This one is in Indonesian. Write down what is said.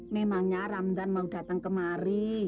memangnya ramdan mau datang kemari